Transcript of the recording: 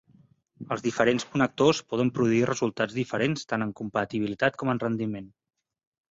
Els diferents connectors poden produir resultats diferents tant en compatibilitat com en rendiment.